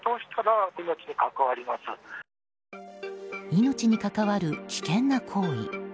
命に関わる危険な行為。